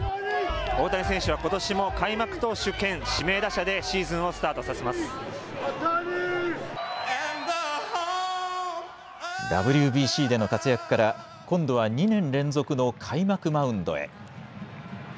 大谷選手はことしも開幕投手兼指名打者でシーズンをスタートさせＷＢＣでの活躍から、今度は２年連続の開幕マウンドへ。